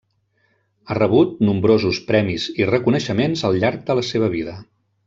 Ha rebut nombrosos premis i reconeixements al llarg de la seva vida.